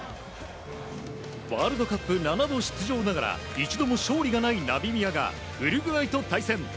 ワールドカップ７度出場ながら一度も勝利がないナミビアがウルグアイと対戦。